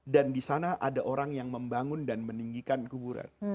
dan di sana ada orang yang membangun dan meninggikan kuburan